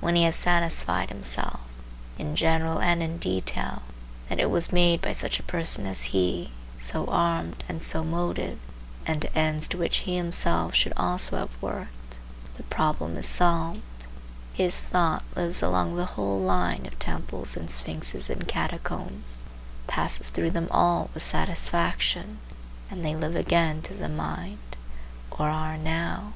When he has satisfied himself, in general and in detail, that it was made by such a person as he, so armed and so motived, and to ends to which he himself should also have worked, the problem is solved; his thought lives along the whole line of temples and sphinxes and catacombs, passes through them all with satisfaction, and they live again to the mind, or are now.